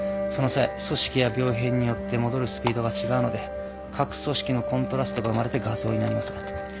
その際組織や病変によって戻るスピードが違うので各組織のコントラストが生まれて画像になります。